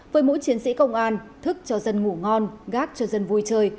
với mỗi chiến sĩ công an thức cho dân ngủ ngon gác cho dân vui chơi